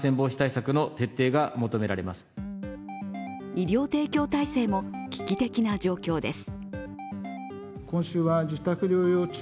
医療提供体制も危機的な状況です。